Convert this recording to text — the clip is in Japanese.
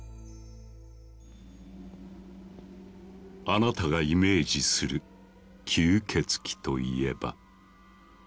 あなたがイメージする吸血鬼といえば。